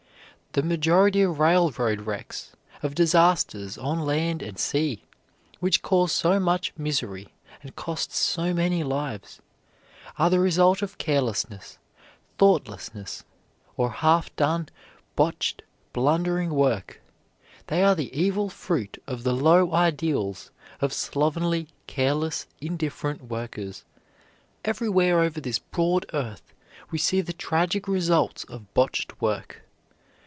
The majority of railroad wrecks, of disasters on land and sea, which cause so much misery and cost so many lives, are the result of carelessness, thoughtlessness, or half done, botched, blundering work. They are the evil fruit of the low ideals of slovenly, careless, indifferent workers. Everywhere over this broad earth we see the tragic results of botched work.